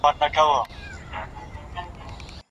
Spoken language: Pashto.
په قلم لیکنه کول د لوستل سوي متن د هضمولو لاره ده.